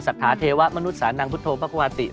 ศรัทธาเทวะมนุษย์ศาลนางพุทธโภคภาษี